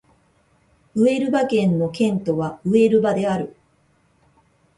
ウエルバ県の県都はウエルバである